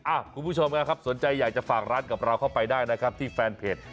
คุณผู้ชมนะครับสนใจอยากจะฝากร้านกับเราเข้าไปได้นะครับที่แฟนเพจ